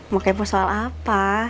mau kepo soal apa